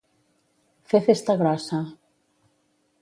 Fer festa grossa.